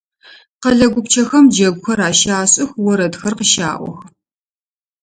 Къэлэ гупчэхэм джэгухэр ащашӏых, орэдхэр къыщаӏох.